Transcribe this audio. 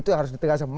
itu harus ditekasin